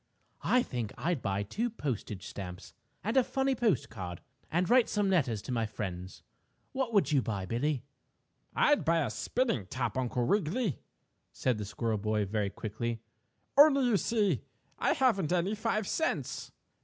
I think I'd buy two postage stamps and a funny postcard and write some letters to my friends. What would you buy, Billie?" "I'd buy a spinning top, Uncle Wiggily," said the little squirrel boy, very quickly. "Only, you see, I haven't any five cents.